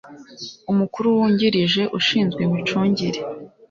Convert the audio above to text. umukuru wungirije ushinzwe imicungire